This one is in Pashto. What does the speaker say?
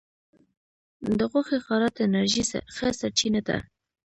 د غوښې خواړه د انرژی ښه سرچینه ده.